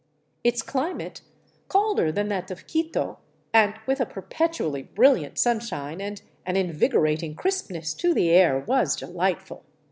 Its climate, colder than that of Quito and with a perpetually brilliant sunshine and «! an invigorating crispness to the air, was delightful.